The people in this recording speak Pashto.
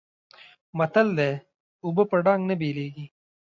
متل دی: اوبه په ډانګ نه بېلېږي.